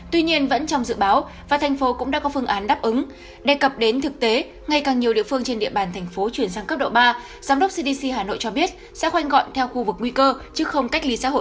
tuy nhiên vẫn trong dự báo và thành phố cũng đã có phương án đáp ứng đề cập đến thực tế ngay càng nhiều địa phương trên địa bàn thành phố chuyển sang cấp độ ba giám đốc cdc hà nội cho biết sẽ khoanh gọn theo khu vực nguy cơ chứ không cách ly xã hội